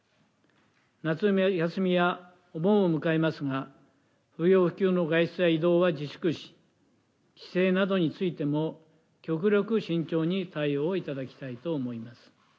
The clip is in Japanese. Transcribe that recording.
夏休みやお盆を迎えますが、不要不急の外出や移動は自粛し、帰省などについても極力慎重に対応をいただきたいと思います。